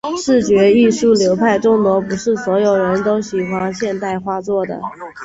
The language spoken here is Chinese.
视觉艺术流派众多，不是所有人都喜欢后现代画作的。